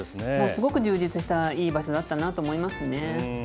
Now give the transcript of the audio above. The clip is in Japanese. すごく充実した、いい場所だったなと思いますね。